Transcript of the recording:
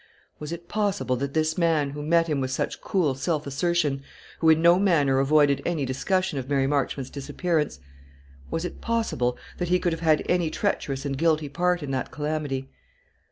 Was it possible that this man, who met him with such cool self assertion, who in no manner avoided any discussion of Mary Marchmont's disappearance, was it possible that he could have had any treacherous and guilty part in that calamity?